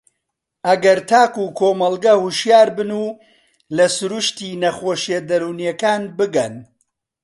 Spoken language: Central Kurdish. ئەگەر تاک و کۆمەڵگە هۆشیار بن و لە سرووشتی نەخۆشییە دەروونییەکان بگەن